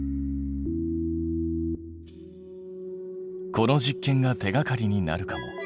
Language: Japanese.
この実験が手がかりになるかも。